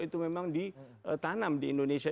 itu memang ditanam di indonesia